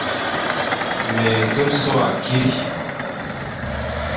Me ke so akiri,